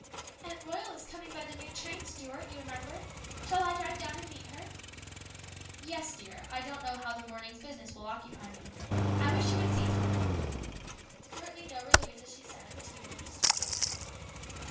" Aunt Royal is coming by the noon train, Stuart, you remember. Shall I drive down and meet her ?"" Yes, dear ; I don't know how the morning's business will occupy me. I wish you would see to A CHANGE. 103 her." Stuart leaned over Louise as she sat at the table and kissed her again.